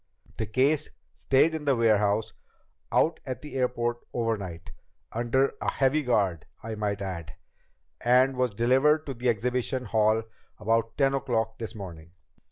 The case stayed in the warehouse out at the airport overnight under a heavy guard, I might add and was delivered to the exhibition hall about ten o'clock this morning."